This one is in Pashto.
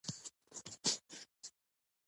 ازادي راډیو د سیاست موضوع تر پوښښ لاندې راوستې.